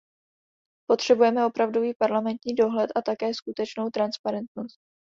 Potřebujeme opravdový parlamentní dohled a také skutečnou transparentnost.